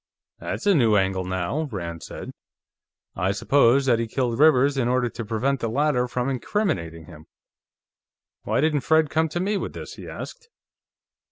"That's a new angle, now," Rand said. "I suppose that he killed Rivers in order to prevent the latter from incriminating him. Why didn't Fred come to me with this?" he asked.